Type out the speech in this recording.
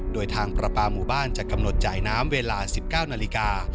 โดยทางประปาหมู่บ้านจะกำหนดจ่ายน้ำเวลา๑๙นาฬิกา